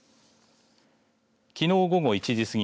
きのう午後１時過ぎ